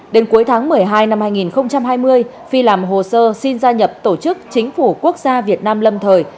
đến cuối tháng một mươi hai năm hai nghìn hai mươi phi làm hồ sơ xin gia nhập tổ chức chính phủ quốc gia việt nam lâm thời